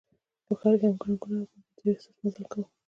په ښار کې هم ګڼه ګوڼه وه او موږ ډېر سست مزل کاوه.